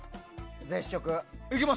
絶食。